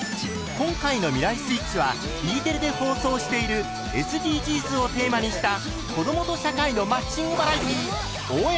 今回の「未来スイッチ」はＥテレで放送しているＳＤＧｓをテーマにした「子どもと社会のマッチングバラエティー応援！